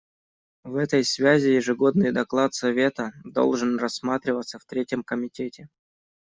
В этой связи ежегодный доклад Совета должен рассматриваться в Третьем комитете.